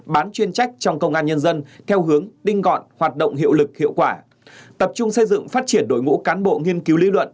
bán chuyên trách trong công an nhân dân theo hướng tinh gọn hoạt động hiệu lực hiệu quả tập trung xây dựng phát triển đội ngũ cán bộ nghiên cứu lý luận